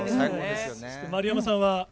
丸山さんは？